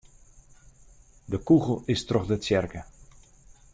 De kûgel is troch de tsjerke.